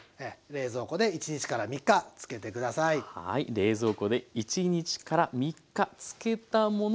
冷蔵庫で１３日漬けたもの